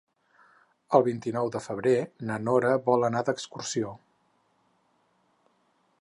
El vint-i-nou de febrer na Nora vol anar d'excursió.